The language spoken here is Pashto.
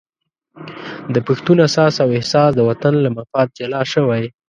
د پښتون اساس او احساس د وطن له مفاد جلا شوی.